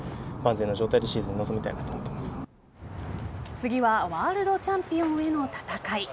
次はワールドチャンピオンへの戦い。